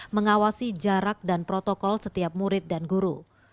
mengawasi jarak dan protokol setiap murid dan guru